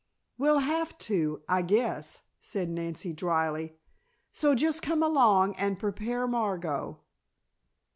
"We'll have to, I guess," said Nancy dryly, "so just come along and prepare Margot."